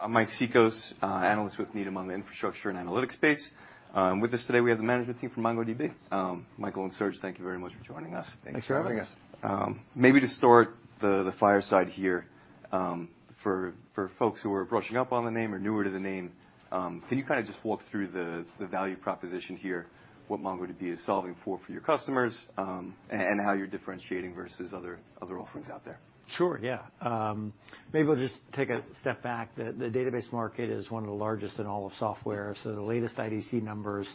I'm Mike Cikos, analyst with Needham on the infrastructure and analytics space. With us today, we have the management team from MongoDB. Michael and Serge, thank you very much for joining us. Thanks for having us. Thanks for having us. Maybe to start the fireside here, for folks who are brushing up on the name or newer to the name, can you kinda just walk through the value proposition here, what MongoDB is solving for for your customers, and how you're differentiating versus other offerings out there? Sure, yeah. Maybe we'll just take a step back. The database market is one of the largest in all of software. The latest IDC numbers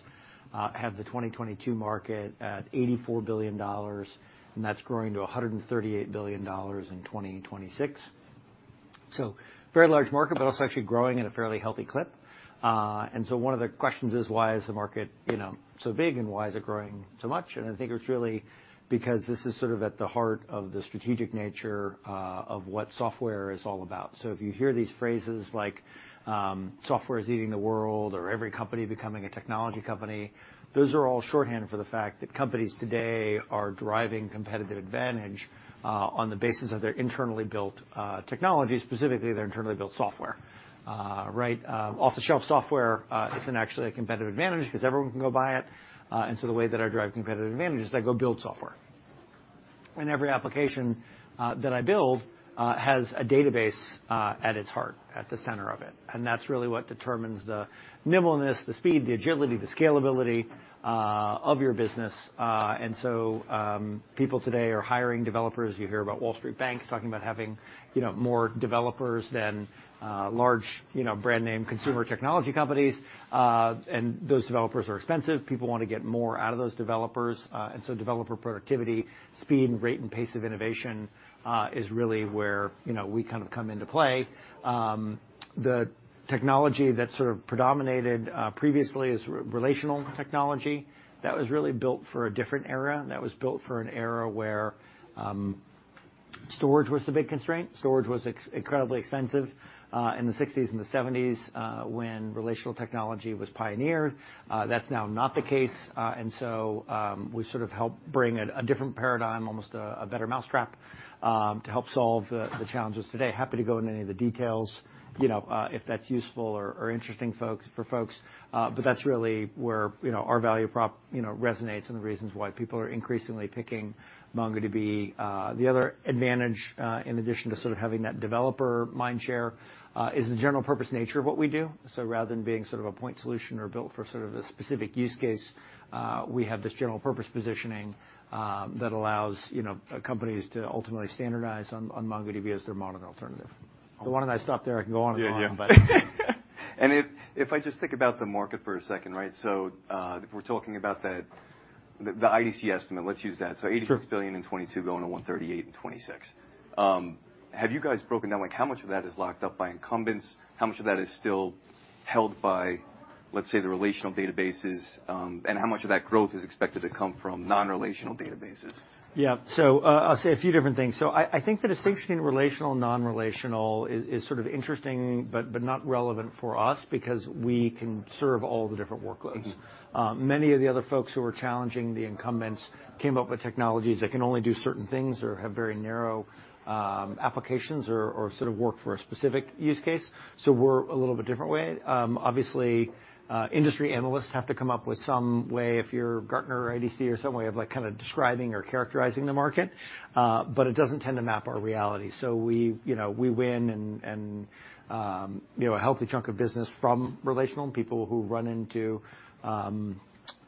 have the 2022 market at $84 billion, and that's growing to $138 billion in 2026. Very large market, but also actually growing at a fairly healthy clip. One of the questions is why is the market, you know, so big, and why is it growing so much? I think it's really because this is sort of at the heart of the strategic nature of what software is all about. If you hear these phrases like, software is eating the world or every company becoming a technology company, those are all shorthand for the fact that companies today are driving competitive advantage on the basis of their internally built technology, specifically their internally built software. Right, off-the-shelf software isn't actually a competitive advantage 'cause everyone can go buy it. The way that I drive competitive advantage is I go build software. Every application that I build has a database at its heart, at the center of it, and that's really what determines the nimbleness, the speed, the agility, the scalability of your business. People today are hiring developers. You hear about Wall Street banks talking about having, you know, more developers than large, you know, brand name consumer technology companies. Those developers are expensive. People wanna get more out of those developers. Developer productivity, speed, and rate and pace of innovation is really where, you know, we kind of come into play. The technology that sort of predominated previously is relational technology. That was really built for a different era. That was built for an era where storage was the big constraint. Storage was incredibly expensive in the 1960s and the 1970s when relational technology was pioneered. That's now not the case. We sort of help bring a different paradigm, almost a better mousetrap to help solve the challenges today. Happy to go into any of the details, you know, if that's useful or interesting folks, for folks. That's really where, you know, our value prop, you know, resonates and the reasons why people are increasingly picking MongoDB. The other advantage, in addition to sort of having that developer mind share, is the general purpose nature of what we do. Rather than being sort of a point solution or built for sort of a specific use case, we have this general purpose positioning, that allows, you know, companies to ultimately standardize on MongoDB as their modern alternative. Why don't I stop there? I can go on and on. Yeah. If I just think about the market for a second, right? If we're talking about the IDC estimate, let's use that. Sure. $84 billion in 2022 going to $138 billion in 2026. Have you guys broken down like how much of that is locked up by incumbents? How much of that is still held by, let's say, the relational databases, and how much of that growth is expected to come from non-relational databases? Yeah. I'll say a few different things. I think the distinction relational, non-relational is sort of interesting but not relevant for us because we can serve all the different workloads. Mm-hmm. Many of the other folks who are challenging the incumbents came up with technologies that can only do certain things or have very narrow applications or sort of work for a specific use case. We're a little bit different way. Obviously, industry analysts have to come up with some way if you're Gartner or IDC or some way of like kinda describing or characterizing the market, but it doesn't tend to map our reality. We, you know, we win and, you know, a healthy chunk of business from relational people who run into,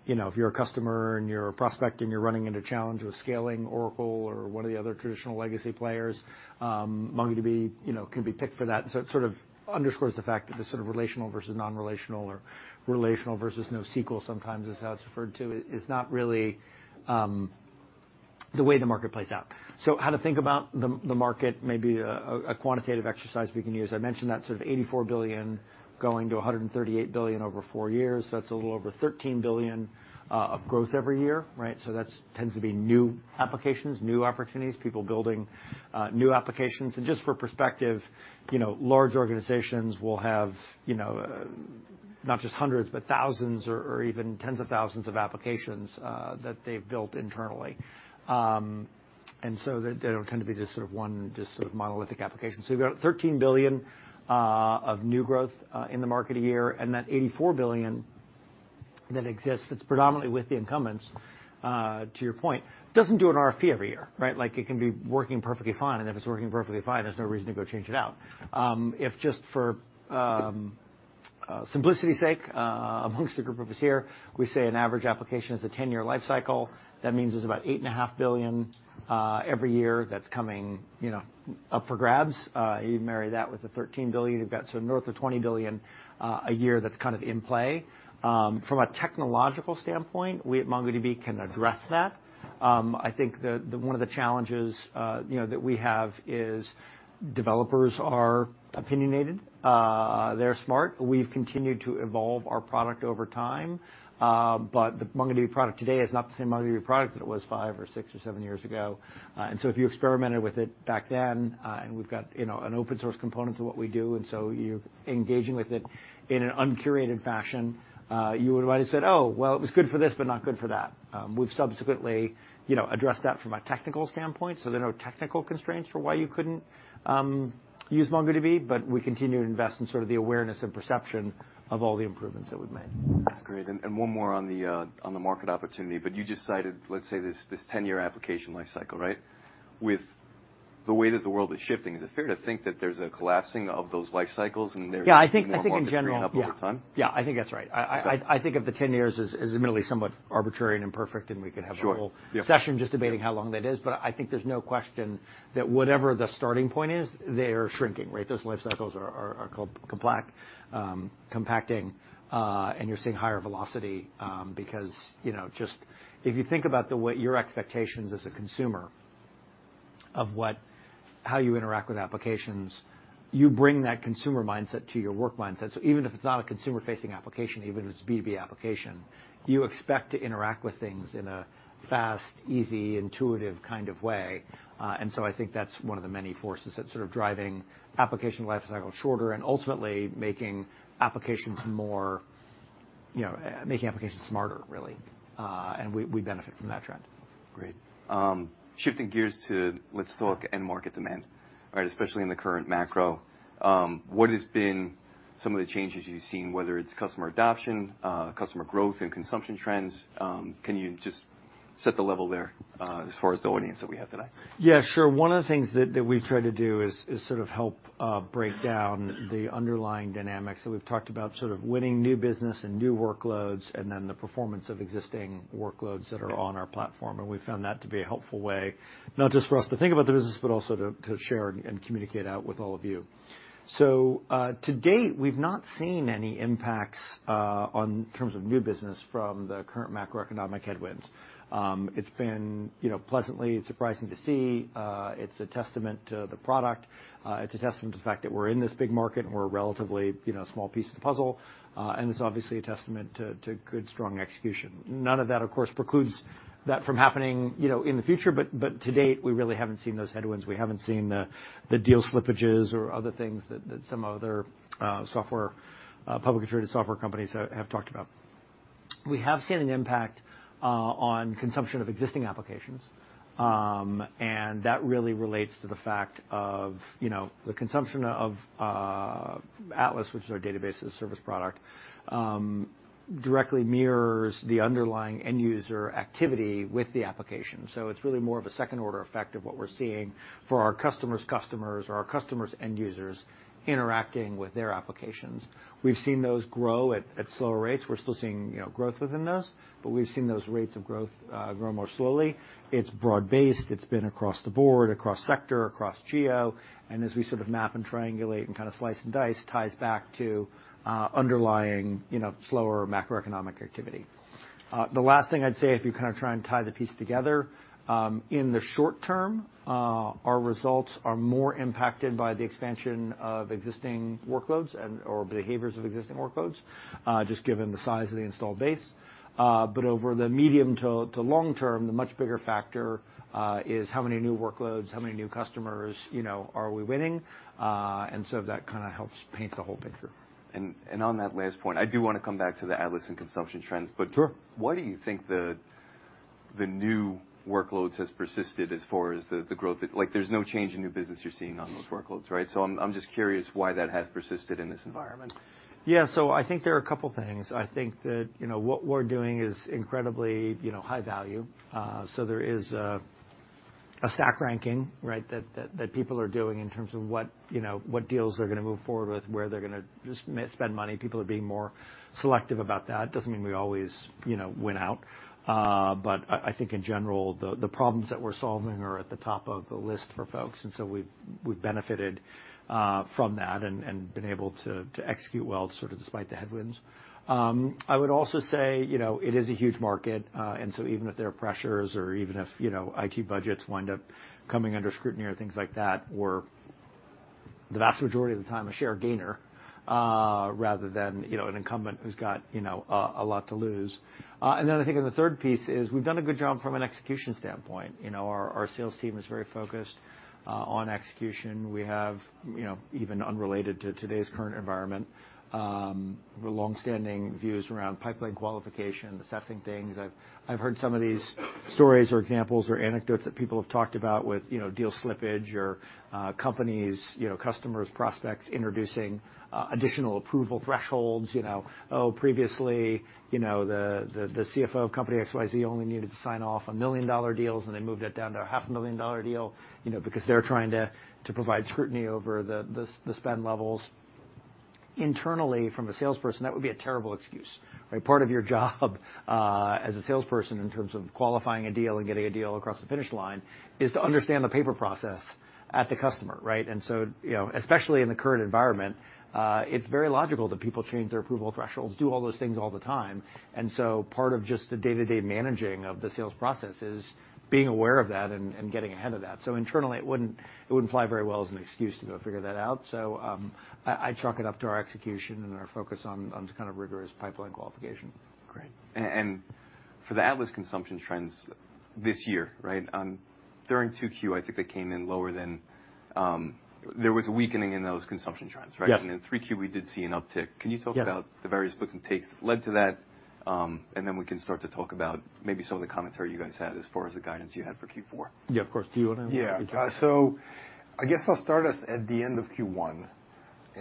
you know, if you're a customer and you're a prospect and you're running into a challenge with scaling Oracle or one of the other traditional legacy players, MongoDB, you know, can be picked for that. It sort of underscores the fact that this sort of relational versus non-relational or relational versus NoSQL sometimes is how it's referred to, is not really the way the market plays out. How to think about the market, maybe a quantitative exercise we can use. I mentioned that sort of $84 billion going to $138 billion over four years. That's a little over $13 billion of growth every year, right? That tends to be new applications, new opportunities, people building new applications. Just for perspective, you know, large organizations will have, you know, not just hundreds, but thousands or even tens of thousands of applications that they've built internally. They don't tend to be just sort of one monolithic application. We've got $13 billion of new growth in the market a year, and that $84 billion that exists, it's predominantly with the incumbents, to your point, doesn't do an RFP every year, right? Like it can be working perfectly fine, and if it's working perfectly fine, there's no reason to go change it out. If just for simplicity's sake amongst the group of us here, we say an average application is a 10-year life cycle, that means there's about $8.5 billion every year that's coming, you know, up for grabs. You marry that with the $13 billion, you've got sort of north of $20 billion a year that's kind of in play. From a technological standpoint, we at MongoDB can address that. I think the one of the challenges, you know, that we have is developers are opinionated. They're smart. We've continued to evolve our product over time. The MongoDB product today is not the same MongoDB product that it was five or six or seven years ago. If you experimented with it back then, and we've got, you know, an open-source component to what we do, and so you're engaging with it in an uncurated fashion, you would've already said, "Oh, well, it was good for this, but not good for that." We've subsequently, you know, addressed that from a technical standpoint, so there are no technical constraints for why you couldn't use MongoDB, but we continue to invest in sort of the awareness and perception of all the improvements that we've made. That's great. One more on the market opportunity, but you just cited, let's say this 10-year application life cycle, right? The way that the world is shifting, is it fair to think that there's a collapsing of those life cycles and they're... Yeah, I think in general. Going to move on to freeing up over time? Yeah, I think that's right. I think of the 10 years as admittedly somewhat arbitrary and imperfect, and we could have. Sure. Yeah.... A whole session just debating how long that is. I think there's no question that whatever the starting point is, they are shrinking, right? Those life cycles are compacting, and you're seeing higher velocity, because, you know, just if you think about the way... your expectations as a consumer of how you interact with applications, you bring that consumer mindset to your work mindset. Even if it's not a consumer-facing application, even if it's a B2B application, you expect to interact with things in a fast, easy, intuitive kind of way. I think that's one of the many forces that's sort of driving application lifecycle shorter and ultimately making applications more, you know, making applications smarter, really. And we benefit from that trend. Great. Shifting gears to let's talk end market demand, right? Especially in the current macro, what has been some of the changes you've seen, whether it's customer adoption, customer growth and consumption trends, can you just set the level there, as far as the audience that we have today? Yeah, sure. One of the things that we've tried to do is sort of help break down the underlying dynamics that we've talked about, sort of winning new business and new workloads, and then the performance of existing workloads that are on our platform, and we found that to be a helpful way, not just for us to think about the business, but also to share and communicate out with all of you. To date, we've not seen any impacts on terms of new business from the current macroeconomic headwinds. It's been, you know, pleasantly surprising to see it's a testament to the product, it's a testament to the fact that we're in this big market and we're a relatively, you know, small piece of the puzzle, and it's obviously a testament to good, strong execution. None of that, of course, precludes that from happening, you know, in the future, but to date, we really haven't seen those headwinds. We haven't seen the deal slippages or other things that some other software publicly traded software companies have talked about. We have seen an impact on consumption of existing applications, and that really relates to the fact of, you know, the consumption of Atlas, which is our Database as a Service product, directly mirrors the underlying end user activity with the application. It's really more of a second order effect of what we're seeing for our customers' customers or our customers' end users interacting with their applications. We've seen those grow at slower rates. We're still seeing, you know, growth within those, but we've seen those rates of growth grow more slowly. It's broad-based, it's been across the board, across sector, across geo. As we sort of map and triangulate and kinda slice and dice, ties back to, underlying, you know, slower macroeconomic activity. The last thing I'd say, if you kinda try and tie the piece together, in the short term, our results are more impacted by the expansion of existing workloads and/or behaviors of existing workloads, just given the size of the installed base. Over the medium to long term, the much bigger factor, is how many new workloads, how many new customers, you know, are we winning. That kinda helps paint the whole picture. On that last point, I do wanna come back to the Atlas and consumption trends. Sure. Why do you think the new workloads has persisted as far as the growth? Like, there's no change in new business you're seeing on those workloads, right? I'm just curious why that has persisted in this environment. Yeah. I think there are a couple things. I think that, you know, what we're doing is incredibly, you know, high value. There is a stack ranking, right? That people are doing in terms of what, you know, what deals they're going to move forward with, where they're going to just spend money. People are being more selective about that. Doesn't mean we always, you know, win out. I think in general, the problems that we're solving are at the top of the list for folks, we've benefited from that and been able to execute well, sort of despite the headwinds. I would also say, you know, it is a huge market, and so even if there are pressures or even if, you know, IT budgets wind up coming under scrutiny or things like that, we're, the vast majority of the time, a share gainer, rather than, you know, an incumbent who's got, you know, a lot to lose. I think in the third piece is we've done a good job from an execution standpoint. You know, our sales team is very focused, on execution. We have, you know, even unrelated to today's current environment, long-standing views around pipeline qualification, assessing things. I've heard some of these stories or examples or anecdotes that people have talked about with, you know, deal slippage or, companies, you know, customers, prospects introducing, additional approval thresholds. You know, previously, you know, the CFO of company XYZ only needed to sign off $1 million deals, and they moved that down to a $500,000 deal, you know, because they're trying to provide scrutiny over the spend levels. Internally, from a salesperson, that would be a terrible excuse, right? Part of your job as a salesperson in terms of qualifying a deal and getting a deal across the finish line is to understand the paper process at the customer, right? You know, especially in the current environment, it's very logical that people change their approval thresholds, do all those things all the time. Part of just the day-to-day managing of the sales process is being aware of that and getting ahead of that. Internally, it wouldn't fly very well as an excuse to go figure that out. I chalk it up to our execution and our focus on just kind of rigorous pipeline qualification. Great. For the Atlas consumption trends this year, right? During 2Q, I think they came in lower than. There was a weakening in those consumption trends, right? Yes. In 3Q, we did see an uptick. Yes. Can you talk about the various puts and takes that led to that? Then we can start to talk about maybe some of the commentary you guys had as far as the guidance you had for Q4. Yeah, of course. Yeah. I guess I'll start us at the end of Q1.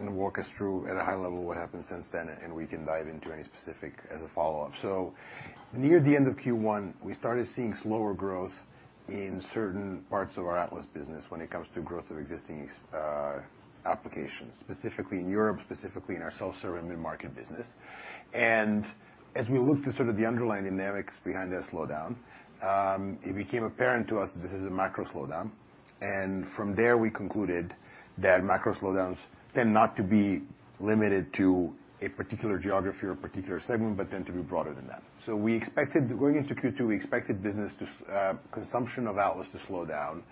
Walk us through at a high level what happened since then, and we can dive into any specific as a follow-up. Near the end of Q1, we started seeing slower growth in certain parts of our Atlas business when it comes to growth of existing applications, specifically in Europe, specifically in our self-serve and mid-market business. As we looked to sort of the underlying dynamics behind that slowdown, it became apparent to us that this is a macro slowdown. From there, we concluded that macro slowdowns tend not to be limited to a particular geography or a particular segment, but tend to be broader than that. Going into Q2, we expected business to consumption of Atlas to slow down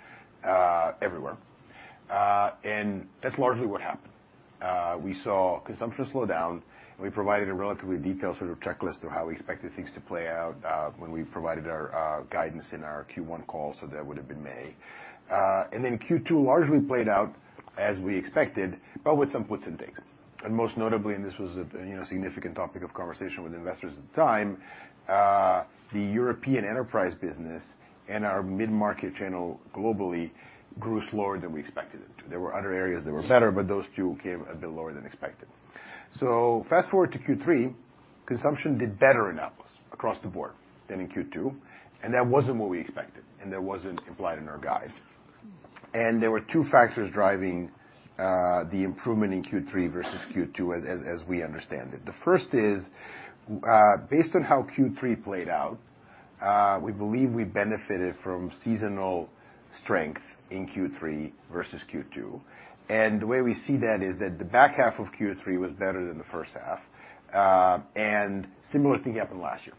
everywhere. That's largely what happened. We saw consumption slow down, and we provided a relatively detailed sort of checklist of how we expected things to play out when we provided our guidance in our Q1 call, so that would've been May. Q2 largely played out as we expected, but with some puts and takes. Most notably, and this was a, you know, significant topic of conversation with investors at the time, the European enterprise business and our mid-market channel globally grew slower than we expected it to. There were other areas that were better, but those two came a bit lower than expected. Fast-forward to Q3, consumption did better in Atlas across the board than in Q2, and that wasn't what we expected, and that wasn't implied in our guide. There were two factors driving the improvement in Q3 versus Q2 as we understand it. First is, based on how Q3 played out, we believe we benefited from seasonal strength in Q3 versus Q2. The way we see that is that the back half of Q3 was better than the first half. Similar thing happened last year.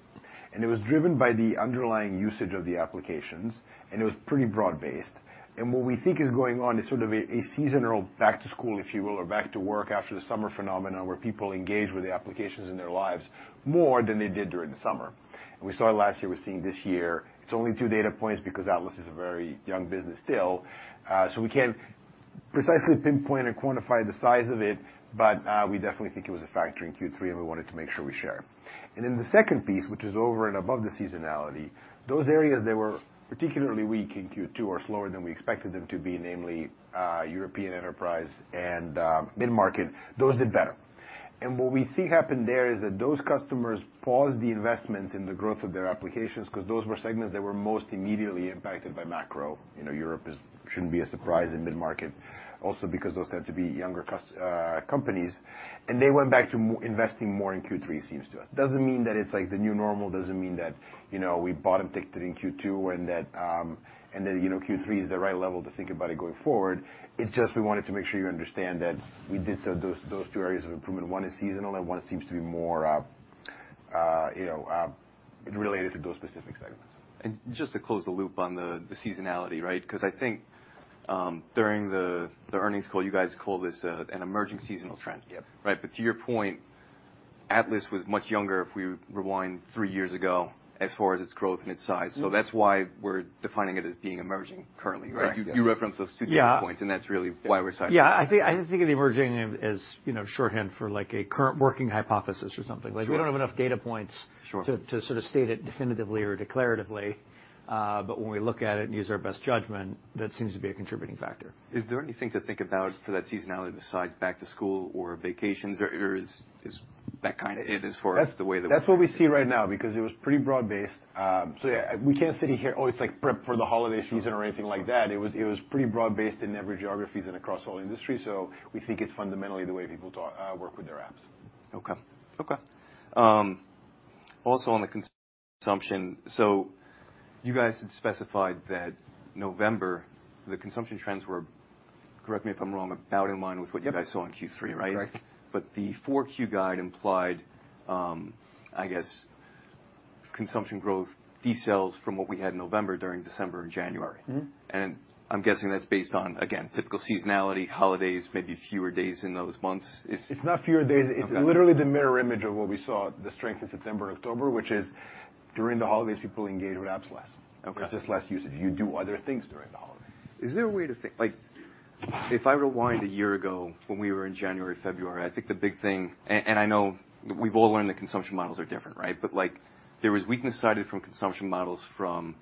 It was driven by the underlying usage of the applications, and it was pretty broad-based. What we think is going on is sort of a seasonal back to school, if you will, or back to work after the summer phenomenon where people engage with the applications in their lives more than they did during the summer. We saw it last year, we are seeing this year. It's only two data points because Atlas is a very young business still, so we can't precisely pinpoint and quantify the size of it, but we definitely think it was a factor in Q3, and we wanted to make sure we share. The second piece, which is over and above the seasonality, those areas that were particularly weak in Q2 or slower than we expected them to be, namely, European enterprise and mid-market, those did better. What we think happened there is that those customers paused the investments in the growth of their applications 'cause those were segments that were most immediately impacted by macro. You know, Europe shouldn't be a surprise in mid-market also because those tend to be younger companies. They went back to investing more in Q3, seems to us. Doesn't mean that it's, like, the new normal, doesn't mean that, you know, we bottomed it in Q2 and that, and that, you know, Q3 is the right level to think about it going forward. It's just we wanted to make sure you understand that we did see those two areas of improvement. One is seasonal, and one seems to be more, you know, related to those specific segments. Just to close the loop on the seasonality, right? 'Cause I think, during the earnings call, you guys called this an emerging seasonal trend. Yep. Right. To your point, Atlas was much younger if we rewind three years ago as far as its growth and its size. Mm-hmm. That's why we're defining it as being emerging currently, right? I guess. You referenced those two data points. Yeah. That's really why we're citing. Yeah. I think, I just think of the emerging as, you know, shorthand for, like, a current working hypothesis or something. Sure. Like, we don't have enough data points... Sure. To sort of state it definitively or declaratively. When we look at it and use our best judgment, that seems to be a contributing factor. Is there anything to think about for that seasonality besides back to school or vacations or is that kinda it as far as the way the world works? That's what we see right now because it was pretty broad-based. Yeah, we can't sit in here, "Oh, it's like prep for the holiday season or anything like that." It was pretty broad-based in every geographies and across all industries, so we think it's fundamentally the way people talk, work with their apps. Okay. Okay. Also on the consumption, you guys had specified that November, the consumption trends were, correct me if I'm wrong, about in line with what-. Yep. You guys saw in Q3, right? Right. The 4Q guide implied, I guess, consumption growth decels from what we had in November during December and January. Mm-hmm. I'm guessing that's based on, again, typical seasonality, holidays, maybe fewer days in those months. It's not fewer days. Okay. It's literally the mirror image of what we saw, the strength in September and October, which is during the holidays, people engage with apps less. Okay. It's just less usage. You do other things during the holidays. Is there a way? Like, if I rewind a year ago when we were in January, February, I know we've all learned that consumption models are different, right? Like, there was weakness cited from consumption models from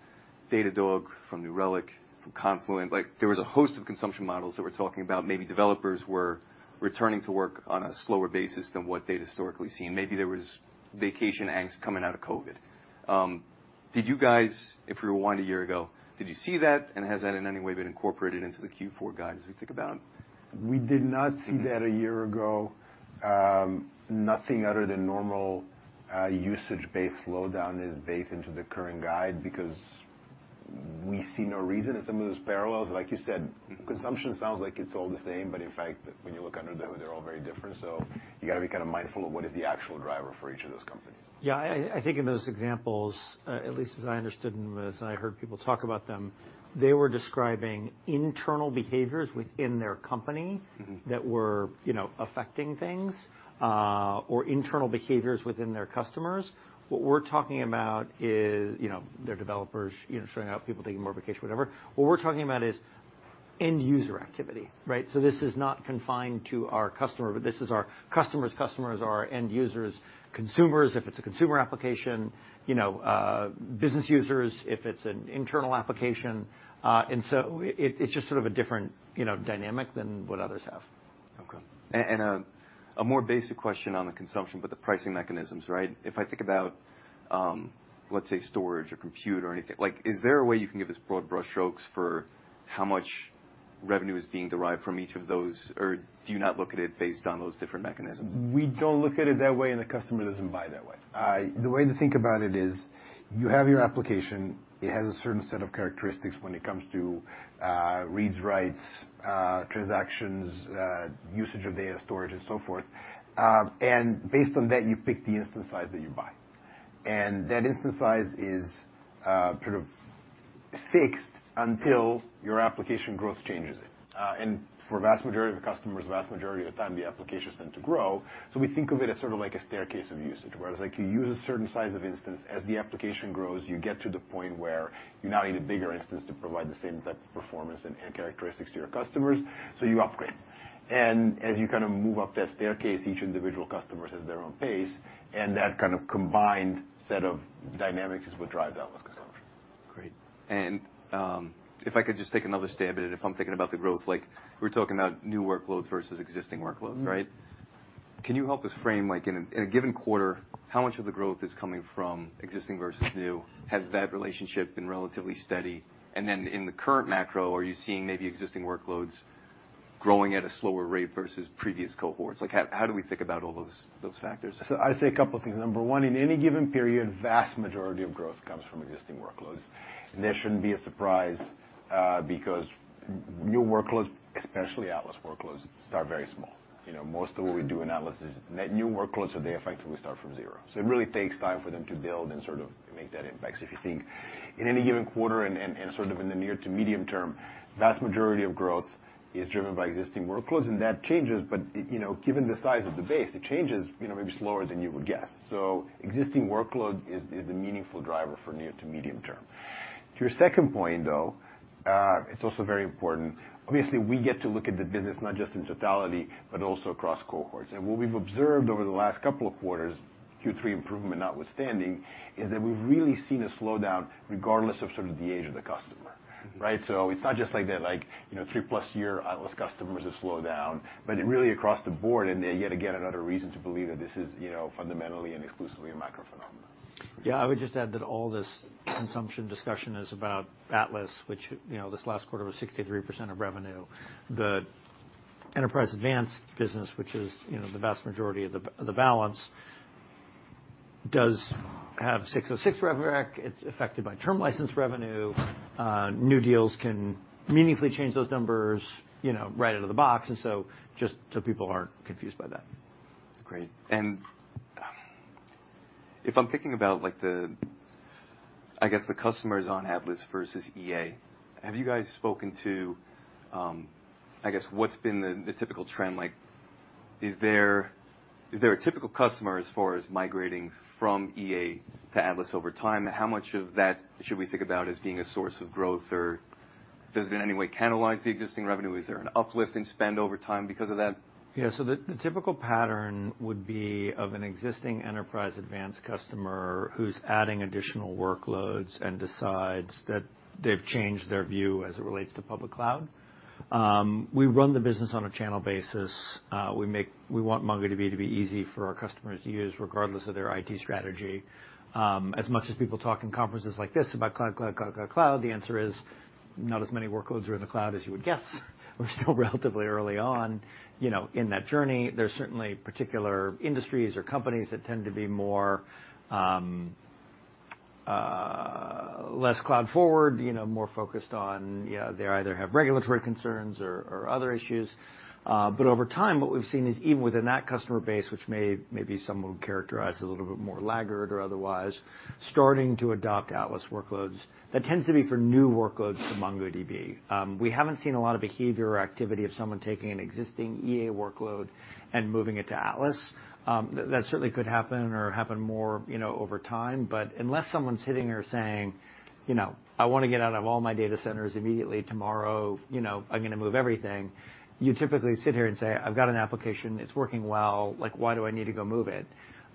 Datadog, from New Relic, from Confluent. Like, there was a host of consumption models that we're talking about. Maybe developers were returning to work on a slower basis than what they had historically seen. Maybe there was vacation angst coming out of COVID. Did you guys, if we rewind a year ago, did you see that, and has that in any way been incorporated into the Q4 guide as we think about it? We did not see that a year ago. Nothing other than normal, usage-based slowdown is baked into the current guide because we see no reason. Some of those parallels, like you said. Mm-hmm. Consumption sounds like it's all the same, but in fact, when you look under the hood, they're all very different. You gotta be kinda mindful of what is the actual driver for each of those companies. Yeah. I think in those examples, at least as I understood them as I heard people talk about them, they were describing internal behaviors within their company. Mm-hmm. That were, you know, affecting things, or internal behaviors within their customers. What we're talking about is, you know, their developers, you know, showing up, people taking more vacation, whatever. What we're talking about is end user activity, right? So this is not confined to our customer. This is our customer's customers or our end users, consumers if it's a consumer application, you know, business users if it's an internal application. It's just sort of a different, you know, dynamic than what others have. A more basic question on the consumption, but the pricing mechanisms, right? If I think about, let's say storage or compute or anything, like, is there a way you can give us broad brush strokes for how much revenue is being derived from each of those? Do you not look at it based on those different mechanisms? We don't look at it that way, and the customer doesn't buy it that way. The way to think about it is you have your application, it has a certain set of characteristics when it comes to reads, writes, transactions, usage of data storage and so forth. Based on that, you pick the instance size that you buy. That instance size is sort of fixed until your application growth changes it. For vast majority of the customers, vast majority of the time, the applications tend to grow. We think of it as sort of like a staircase of usage, whereas like you use a certain size of instance. As the application grows, you get to the point where you now need a bigger instance to provide the same type of performance and characteristics to your customers. You upgrade. As you kinda move up that staircase, each individual customer has their own pace, and that kind of combined set of dynamics is what drives Atlas consumption. Great. If I could just take another stab at it. If I'm thinking about the growth, like we're talking about new workloads versus existing workloads, right? Mm-hmm. Can you help us frame, like in a given quarter, how much of the growth is coming from existing versus new? Has that relationship been relatively steady? In the current macro, are you seeing maybe existing workloads growing at a slower rate versus previous cohorts? Like how do we think about all those factors? I'd say a couple of things. Number one, in any given period, vast majority of growth comes from existing workloads. That shouldn't be a surprise, because new workloads, especially Atlas workloads, start very small. You know, most of what we do in Atlas is net new workloads, so they effectively start from zero. It really takes time for them to build and sort of make that impact. If you think in any given quarter and sort of in the near to medium term, vast majority of growth is driven by existing workloads, and that changes, but, you know, given the size of the base, it changes, you know, maybe slower than you would guess. Existing workload is a meaningful driver for near to medium term. To your second point, though, it's also very important. Obviously, we get to look at the business not just in totality, but also across cohorts. What we've observed over the last couple of quarters, Q3 improvement notwithstanding, is that we've really seen a slowdown regardless of sort of the age of the customer, right? It's not just like that, like, you know, 3+ year Atlas customers have slowed down, but really across the board and yet again another reason to believe that this is, you know, fundamentally and exclusively a macro phenomenon. Yeah. I would just add that all this consumption discussion is about Atlas, which, you know, this last quarter was 63% of revenue. The Enterprise Advanced business, which is, you know, the vast majority of the balance, does have ASC 606 revenue rec. It's affected by term license revenue. New deals can meaningfully change those numbers, you know, right out of the box, just so people aren't confused by that. Great. If I'm thinking about like the, I guess, the customers on Atlas versus EA, have you guys spoken to, I guess, what's been the typical trend? Like is there a typical customer as far as migrating from EA to Atlas over time? How much of that should we think about as being a source of growth or does it in any way catalyze the existing revenue? Is there an uplift in spend over time because of that? Yeah. The typical pattern would be of an existing Enterprise Advanced customer who's adding additional workloads and decides that they've changed their view as it relates to public cloud. We run the business on a channel basis. We want MongoDB to be easy for our customers to use regardless of their IT strategy. As much as people talk in conferences like this about cloud, cloud, cloud, the answer is not as many workloads are in the cloud as you would guess. We're still relatively early on, you know, in that journey. There's certainly particular industries or companies that tend to be more less cloud forward, you know, more focused on, you know, they either have regulatory concerns or other issues. Over time, what we've seen is even within that customer base, which may, maybe some would characterize as a little bit more laggard or otherwise, starting to adopt Atlas workloads. That tends to be for new workloads to MongoDB. We haven't seen a lot of behavior or activity of someone taking an existing EA workload and moving it to Atlas. That certainly could happen or happen more, you know, over time. Unless someone's sitting here saying, you know, "I wanna get out of all my data centers immediately tomorrow. You know, I'm gonna move everything." You typically sit here and say, "I've got an application, it's working well. Like, why do I need to go move it?"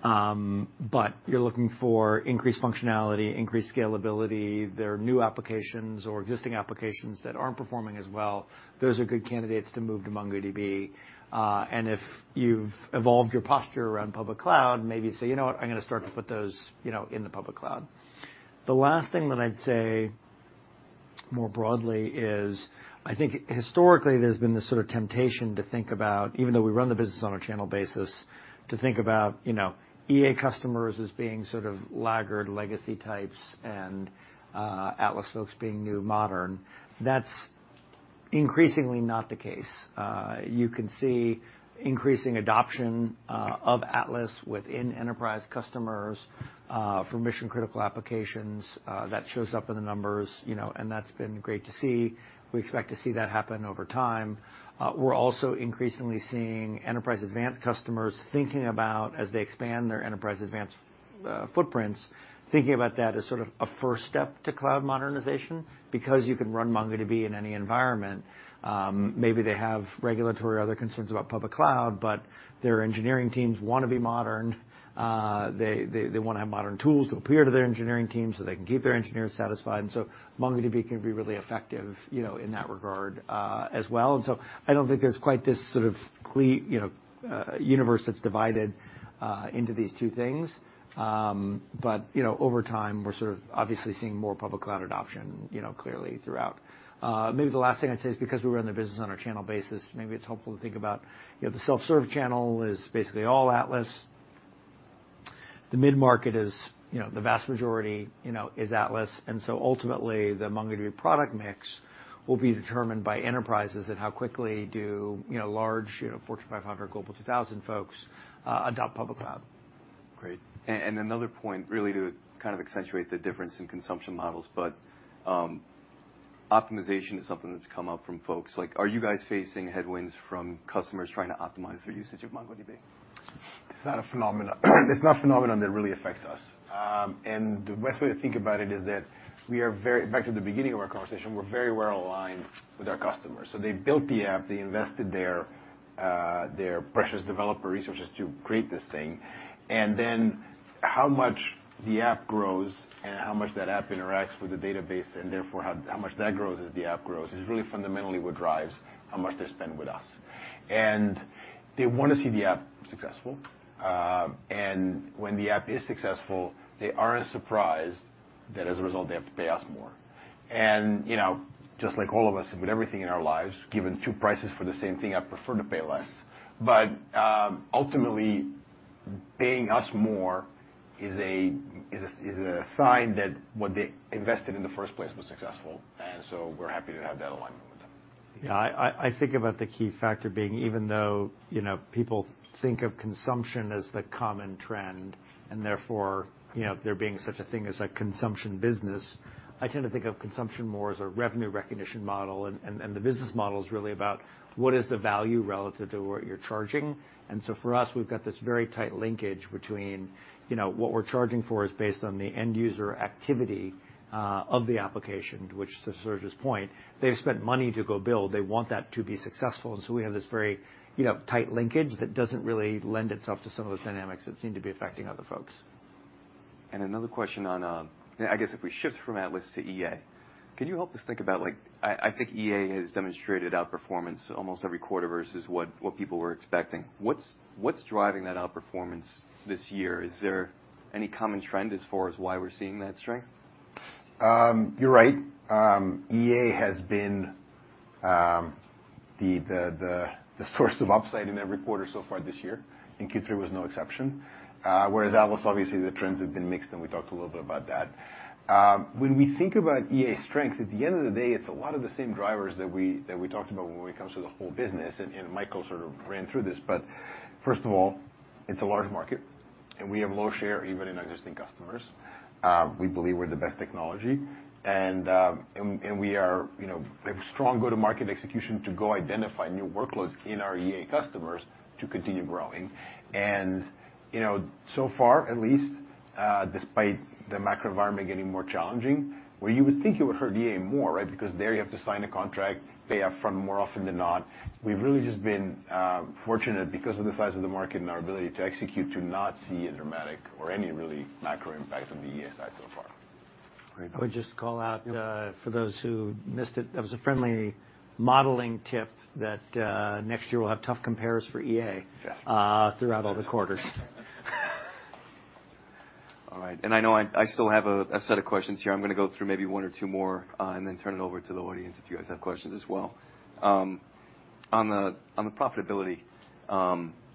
You're looking for increased functionality, increased scalability. There are new applications or existing applications that aren't performing as well. Those are good candidates to move to MongoDB. If you've evolved your posture around public cloud, maybe you say, "You know what? I'm gonna start to put those, you know, in the public cloud." The last thing that I'd say more broadly is I think historically there's been this sort of temptation to think about, even though we run the business on a channel basis, to think about, you know, EA customers as being sort of laggard legacy types and Atlas folks being new modern. That's increasingly not the case. You can see increasing adoption of Atlas within enterprise customers for mission-critical applications. That shows up in the numbers, you know, and that's been great to see. We expect to see that happen over time. We're also increasingly seeing Enterprise Advanced customers thinking about as they expand their Enterprise Advanced footprints. Thinking about that as sort of a first step to cloud modernization, because you can run MongoDB in any environment, maybe they have regulatory or other concerns about public cloud, but their engineering teams want to be modern. They wanna have modern tools to appear to their engineering team so they can keep their engineers satisfied. MongoDB can be really effective, you know, in that regard as well. I don't think there's quite this sort of you know, universe that's divided into these two things. You know, over time, we're sort of obviously seeing more public cloud adoption, you know, clearly throughout. Maybe the last thing I'd say is because we run the business on our channel basis, maybe it's helpful to think about, you know, the self-serve channel is basically all Atlas. The mid-market is, you know, the vast majority, you know, is Atlas. Ultimately, the MongoDB product mix will be determined by enterprises and how quickly do, you know, large, you know, Fortune 500, Global 2000 folks adopt public cloud. Great. Another point really to kind of accentuate the difference in consumption models. Optimization is something that's come up from folks. Like, are you guys facing headwinds from customers trying to optimize their usage of MongoDB? It's not a phenomenon that really affects us. The best way to think about it is that we are very back to the beginning of our conversation, we're very well aligned with our customers. They built the app, they invested their precious developer resources to create this thing, how much the app grows and how much that app interacts with the database, and therefore how much that grows as the app grows, is really fundamentally what drives how much they spend with us. They wanna see the app successful. When the app is successful, they aren't surprised that as a result, they have to pay us more. You know, just like all of us with everything in our lives, given two prices for the same thing, I prefer to pay less. Ultimately, paying us more is a sign that what they invested in the first place was successful, we're happy to have that alignment with them. Yeah. I think about the key factor being, even though, you know, people think of consumption as the common trend, and therefore, you know, there being such a thing as a consumption business, I tend to think of consumption more as a revenue recognition model, and the business model is really about what is the value relative to what you're charging. For us, we've got this very tight linkage between, you know, what we're charging for is based on the end user activity of the application, to which to Serge's point, they've spent money to go build. They want that to be successful. We have this very, you know, tight linkage that doesn't really lend itself to some of the dynamics that seem to be affecting other folks. Another question on, I guess if we shift from Atlas to EA, can you help us think about, like, I think EA has demonstrated outperformance almost every quarter versus what people were expecting. What's driving that outperformance this year? Is there any common trend as far as why we're seeing that strength? You're right. EA has been the source of upside in every quarter so far this year, and Q3 was no exception. Whereas Atlas, obviously, the trends have been mixed, and we talked a little bit about that. When we think about EA's strength, at the end of the day, it's a lot of the same drivers that we talked about when it comes to the whole business, and Michael sort of ran through this. First of all, it's a large market, and we have low share even in existing customers. We believe we're the best technology, and we are, you know, have strong go-to-market execution to go identify new workloads in our EA customers to continue growing. You know, so far, at least, despite the macro environment getting more challenging, where you would think it would hurt EA more, right? Because there you have to sign a contract, pay up front more often than not. We've really just been, fortunate because of the size of the market and our ability to execute to not see a dramatic or any really macro impact on the EA side so far. Great. I would just call out, for those who missed it. That was a friendly modeling tip that, next year we'll have tough compares for EA- Yeah. Throughout all the quarters. All right. I know I still have a set of questions here. I'm gonna go through maybe one or two more, and then turn it over to the audience if you guys have questions as well. On the, on the profitability,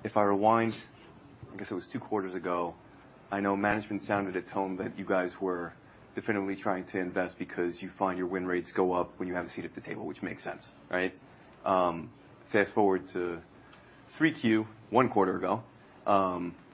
if I rewind, I guess it was two quarters ago, I know management sounded a tone that you guys were definitively trying to invest because you find your win rates go up when you have a seat at the table, which makes sense, right? Fast-forward to 3Q, one quarter ago,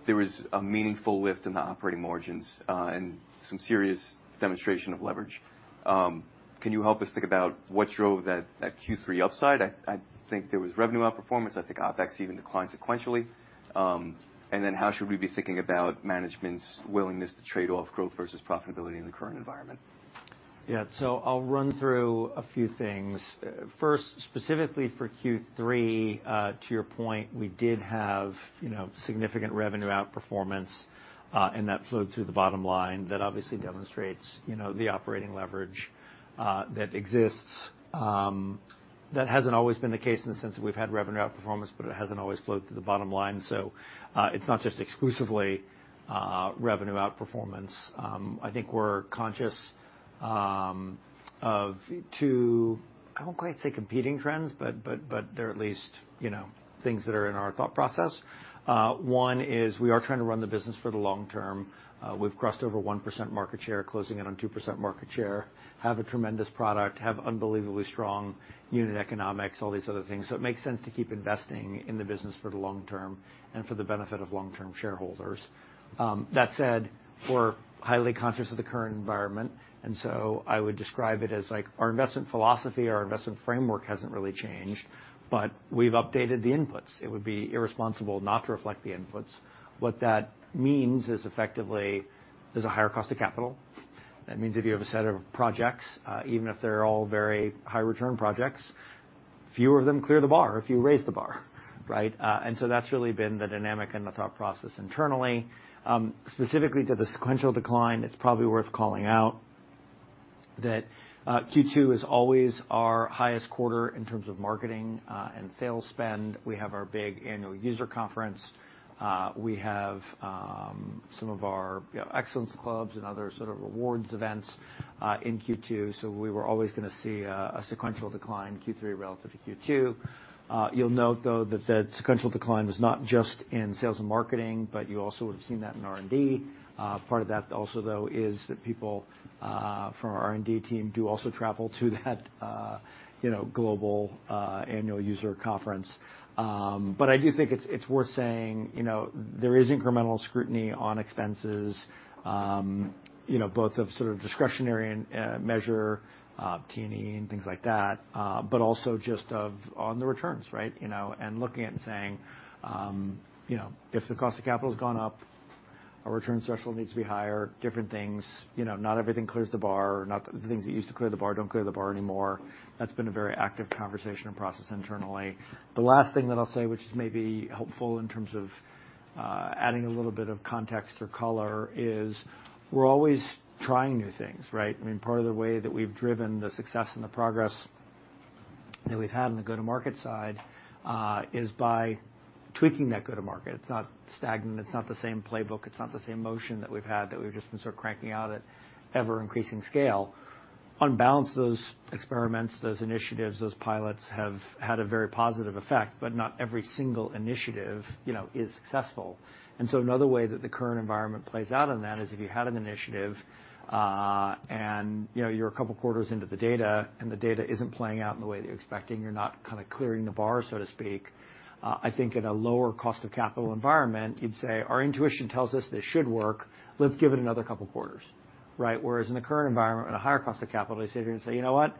there was a meaningful lift in the operating margins, and some serious demonstration of leverage. Can you help us think about what drove that Q3 upside? I think there was revenue outperformance. I think OpEx even declined sequentially. How should we be thinking about management's willingness to trade off growth versus profitability in the current environment? Yeah. I'll run through a few things. First, specifically for Q3, to your point, we did have, you know, significant revenue outperformance, and that flowed through the bottom line that obviously demonstrates, you know, the operating leverage that exists. That hasn't always been the case in the sense that we've had revenue outperformance, but it hasn't always flowed through the bottom line. It's not just exclusively revenue outperformance. I think we're conscious of two, I won't quite say competing trends, but they're at least, you know, things that are in our thought process. One is we are trying to run the business for the long term. We've crossed over 1% market share, closing in on 2% market share, have a tremendous product, have unbelievably strong unit economics, all these other things. It makes sense to keep investing in the business for the long term and for the benefit of long-term shareholders. That said, we're highly conscious of the current environment, and so I would describe it as, like, our investment philosophy, our investment framework hasn't really changed, but we've updated the inputs. It would be irresponsible not to reflect the inputs. What that means is effectively, there's a higher cost of capital. That means if you have a set of projects, even if they're all very high return projects, fewer of them clear the bar if you raise the bar, right? That's really been the dynamic and the thought process internally. Specifically to the sequential decline, it's probably worth calling out that Q2 is always our highest quarter in terms of marketing and sales spend. We have our big annual user conference. We have, you know, some of our Excellence Clubs and other sort of rewards events in Q2. We were always gonna see a sequential decline Q3 relative to Q2. You'll note, though, that that sequential decline was not just in sales and marketing, but you also would've seen that in R&D. Part of that also, though, is that people from our R&D team do also travel to that, you know, global annual user conference. I do think it's worth saying, you know, there is incremental scrutiny on expenses, you know, both of sort of discretionary and measure T&E and things like that, but also just of on the returns, right? You know, and looking at and saying, you know, if the cost of capital's gone up, our return threshold needs to be higher, different things. You know, not everything clears the bar. Not the things that used to clear the bar don't clear the bar anymore. That's been a very active conversation and process internally. The last thing that I'll say, which is maybe helpful in terms of adding a little bit of context or color, is we're always trying new things, right? I mean, part of the way that we've driven the success and the progress that we've had on the go-to-market side, is by tweaking that go-to-market. It's not stagnant. It's not the same playbook. It's not the same motion that we've had, that we've just been sort of cranking out at ever-increasing scale. On balance, those experiments, those initiatives, those pilots have had a very positive effect, but not every single initiative, you know, is successful. Another way that the current environment plays out on that is if you had an initiative, and, you know, you're a couple quarters into the data and the data isn't playing out in the way that you're expecting, you're not kinda clearing the bar, so to speak, I think in a lower cost of capital environment, you'd say, "Our intuition tells us this should work. Let's give it another couple quarters," right? Whereas in the current environment, at a higher cost of capital, you sit here and say, "You know what?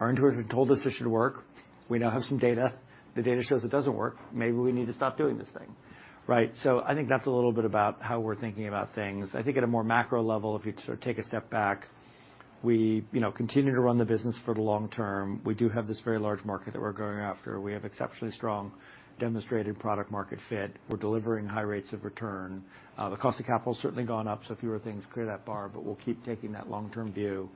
Our intuition told us this should work. We now have some data. The data shows it doesn't work. Maybe we need to stop doing this thing," right? I think that's a little bit about how we're thinking about things. I think at a more macro level, if you sort of take a step back, we, you know, continue to run the business for the long term. We do have this very large market that we're going after. We have exceptionally strong demonstrated product market fit. We're delivering high rates of return. The cost of capital's certainly gone up, fewer things clear that bar, but we'll keep taking that long-term view.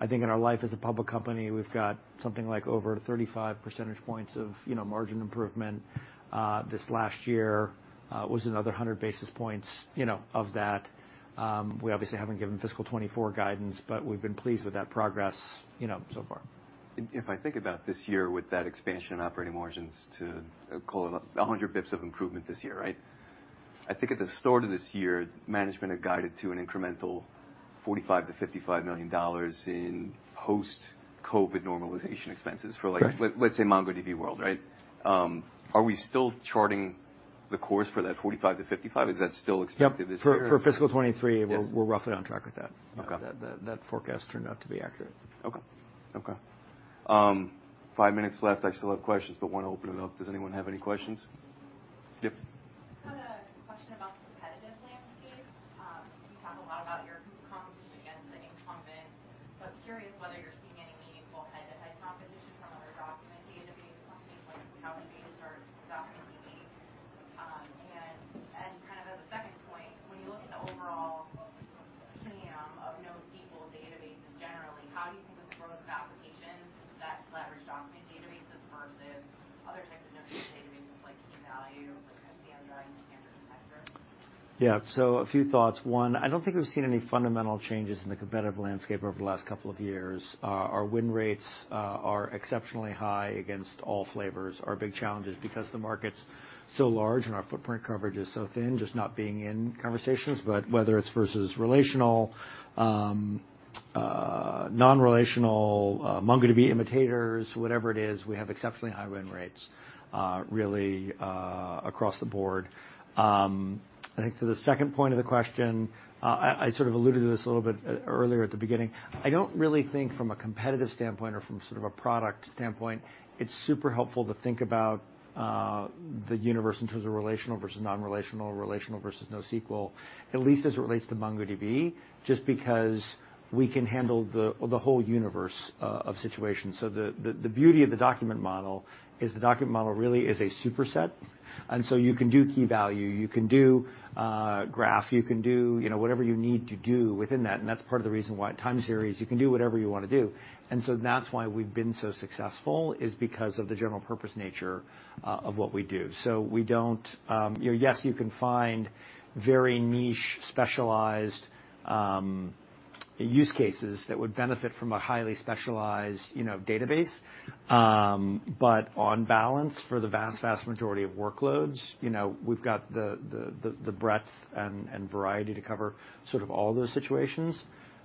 I think in our life as a public company, we've got something like over 35 percentage points of, you know, margin improvement. This last year was another 100 basis points, you know, of that. We obviously haven't given fiscal 2024 guidance, but we've been pleased with that progress, you know, so far. If I think about this year with that expansion in operating margins to call it 100 basis points of improvement this year, right? I think at the start of this year, management had guided to an incremental $45 million-$55 million in post-COVID normalization expenses for like... Correct. Let's say MongoDB World, right? Are we still charting the course for that $45 million-$55 million? Is that still expected this year? Yep. For fiscal 2023. Yes. We're roughly on track with that. Okay. That forecast turned out to be accurate. Okay. Okay. Five minutes left. I still have questions. Wanna open it up. Does anyone have any questions? I think to the second point of the question, I sort of alluded to this a little bit earlier at the beginning. I don't really think from a competitive standpoint or from sort of a product standpoint, it's super helpful to think about the universe in terms of relational versus non-relational, relational versus NoSQL, at least as it relates to MongoDB, just because we can handle the whole universe of situations. The beauty of the document model is the document model really is a superset. You can do key value, you can do graph, you can do, you know, whatever you need to do within that, and that's part of the reason why time series, you can do whatever you wanna do. That's why we've been so successful, is because of the general purpose nature of what we do. We don't. You know, yes, you can find very niche, specialized, use cases that would benefit from a highly specialized, you know, database. But on balance, for the vast majority of workloads, you know, we've got the breadth and variety to cover sort of all those situations.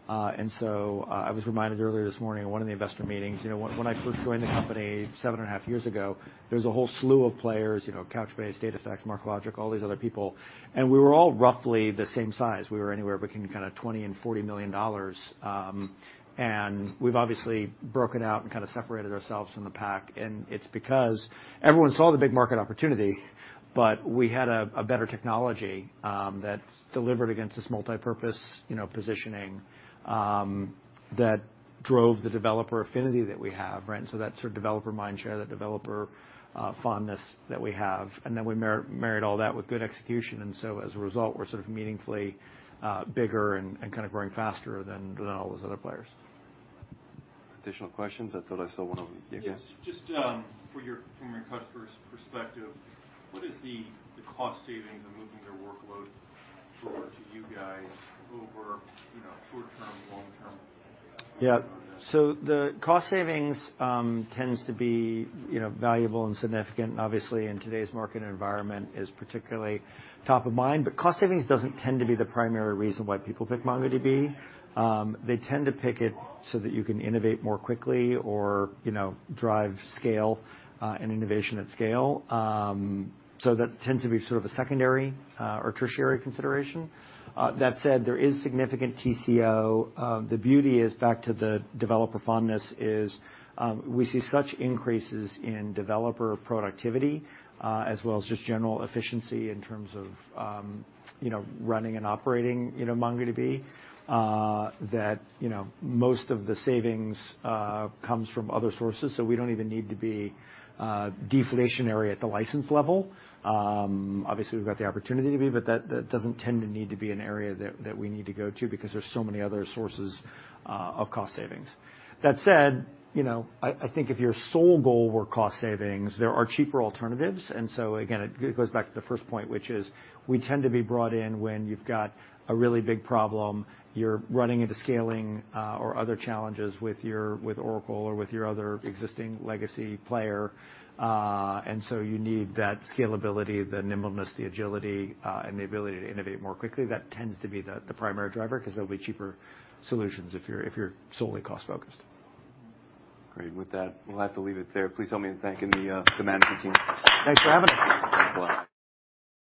I was reminded earlier this morning at one of the investor meetings, you know, when I first joined the company 7.5 years ago, there was a whole slew of players, you know, Couchbase, DataStax, MarkLogic, all these other people, and we were all roughly the same size. We were anywhere between kinda $20 million-$40 million. We've obviously broken out and kinda separated ourselves from the pack, and it's because everyone saw the big market opportunity, but we had a better technology that delivered against this multipurpose, you know, positioning that drove the developer affinity that we have, right? That sort of developer mindshare, that developer fondness that we have, and then we married all that with good execution, and so as a result, we're sort of meaningfully bigger and kinda growing faster than all those other players. Additional questions? I thought I saw one over here. Yes. Just from your customer's perspective, what is the cost savings of moving their workload over to you guys over, you know, short-term, long-term? Yeah. The cost savings tends to be, you know, valuable and significant. Obviously, in today's market environment is particularly top of mind, but cost savings doesn't tend to be the primary reason why people pick MongoDB. They tend to pick it so that you can innovate more quickly or, you know, drive scale, and innovation at scale. That tends to be sort of a secondary or tertiary consideration. That said, there is significant TCO. The beauty is back to the developer fondness is, we see such increases in developer productivity, as well as just general efficiency in terms of you know, running and operating in a MongoDB that, you know, most of the savings comes from other sources, so we don't even need to be deflationary at the license level. Obviously, we've got the opportunity to be, but that doesn't tend to need to be an area that we need to go to because there's so many other sources of cost savings. That said, you know, I think if your sole goal were cost savings, there are cheaper alternatives. again, it goes back to the first point, which is we tend to be brought in when you've got a really big problem, you're running into scaling or other challenges with Oracle or with your other existing legacy player. you need that scalability, the nimbleness, the agility, and the ability to innovate more quickly. That tends to be the primary driver 'cause there'll be cheaper solutions if you're, if you're solely cost-focused. Great. With that, we'll have to leave it there. Please help me in thanking the management team. Thanks for having us. Thanks a lot.